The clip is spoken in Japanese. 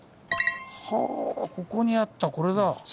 はぁここにあったこれだ。